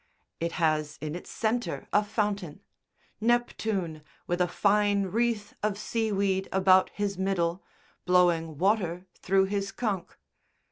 It has in its centre a fountain. Neptune, with a fine wreath of seaweed about his middle, blowing water through, his conch.